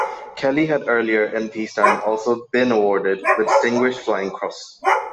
Kelly had earlier in peace time also been awarded the Distinguished Flying Cross.